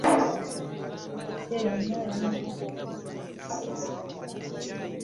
Wiiki ewedde yonna yammaze okukakasa nti ssikola.